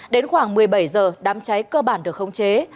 đến khoảng một mươi bảy giờ đám cháy cơ bản được không chế